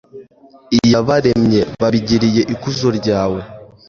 iyabaremye babigiriye ikuzo ryawe